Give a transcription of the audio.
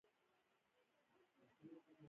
په لاس جوړېدل.